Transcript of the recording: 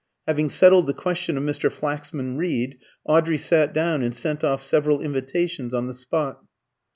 Having settled the question of Mr. Flaxman Reed, Audrey sat down and sent off several invitations on the spot.